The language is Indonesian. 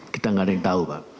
kita nggak ada yang tahu pak